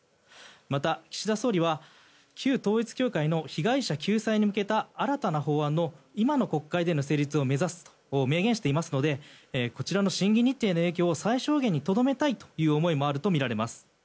また、岸田総理は旧統一教会の被害者救済に向けた新たな法案の今の国会での成立を目指すと明言していますのでこちらの審議日程の影響を最小限にとどめたいという思いもあるとみられます。